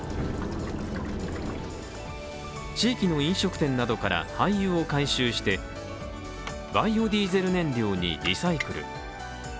地域の飲食店などから、廃油を回収してバイオディーゼル燃料にリサイクル。